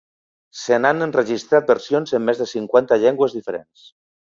Se n’han enregistrat versions en més de cinquanta llengües diferents.